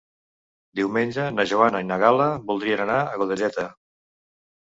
Diumenge na Joana i na Gal·la voldrien anar a Godelleta.